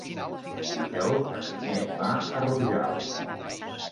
Dijous na Vinyet va a Rojals.